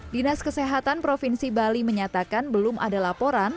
dinas kesehatan provinsi bali menyatakan belum ada laporan